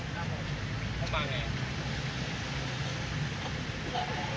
กับเป้าหมด